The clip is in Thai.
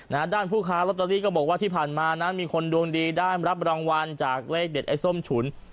ด้านผู้ค้าลอตเตอรี่ก็บอกว่าที่ผ่านมานะมีคนดวงดีได้รับรางวัลจากเลขเด็ดไอ้ส้มฉุน